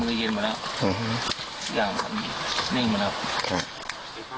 มือเย็นมาแล้วอย่างนิ่งมาแล้ว